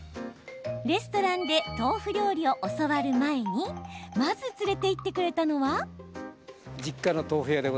レストランで豆腐料理を教わる前にまず連れて行ってくれたのは。